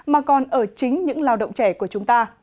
mà còn ở chính những lao động trẻ của chúng ta